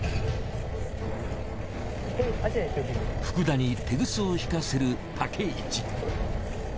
福田にテグスを引かせる武一。